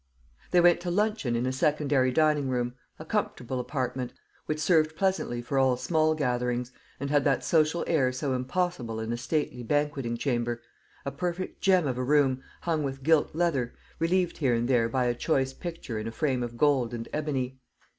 They went to luncheon in a secondary dining room a comfortable apartment, which served pleasantly for all small gatherings, and had that social air so impossible in a stately banqueting chamber a perfect gem of a room, hung with gilt leather, relieved here and there by a choice picture in a frame of gold and ebony.